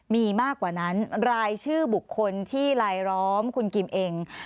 มีมากกว่านั้นรายชื่อบุคคลที่ลายล้อมคุณกิมเอง